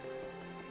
dia juga menangis